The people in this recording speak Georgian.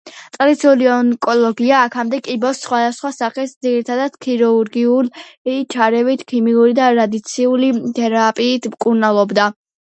ტრადიციული ონკოლოგია აქამდე კიბოს სხვადასხვა სახეს ძირითადად ქირურგიული ჩარევით, ქიმიური და რადიაციული თერაპიით მკურნალობდა.